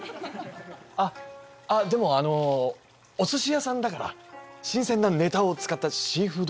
あっでもあのお寿司屋さんだから新鮮なネタを使ったシーフードカレーとか。